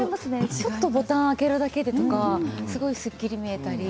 ちょっとボタンを開けるだけですごい、すっきり見えたり。